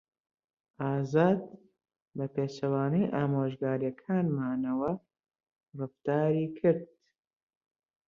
ئازاد بەپێچەوانەی ئامۆژگارییەکانمانەوە ڕەفتاری کرد.